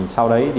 sau đấy thì